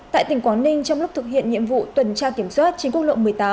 tại tỉnh quảng ninh trong lúc thực hiện nhiệm vụ tuần tra kiểm soát trên quốc lộ một mươi tám